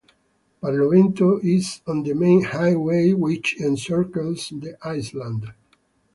Barlovento is on the main highway which encircles the island.